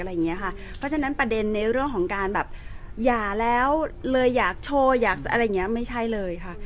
เพราะฉะนั้นประเด็นในเรื่องของการแบบหย่าแล้วเลยอยากโชว์อยากอะไรอย่างนี้ไม่ใช่เลยค่ะ